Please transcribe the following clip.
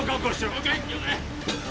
了解